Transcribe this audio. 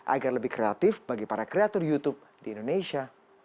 agar lebih kreatif bagi para kreator youtube di indonesia